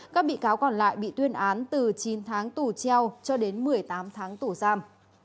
các bị cáo còn lại bị tuyên án từ chín tháng tù treo cho đến một mươi tám tháng tù giam